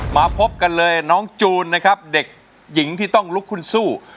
มาพบกันเลยน้องจูนนะครับเด็กหญิงที่ต้องลุกขึ้นสู้